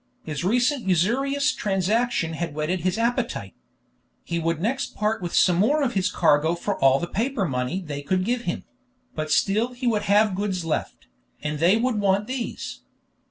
His recent usurious transaction had whetted his appetite. He would next part with some more of his cargo for all the paper money they could give him; but still he should have goods left, and they would want these.